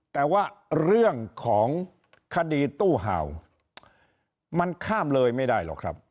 แต่ว่าเรื่องของคดีตู้เห่ามันข้ามเลยไม่ได้หรอกครับ